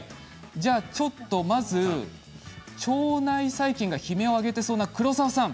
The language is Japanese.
じゃあちょっとまず腸内細菌が悲鳴を上げてそうな黒沢さん。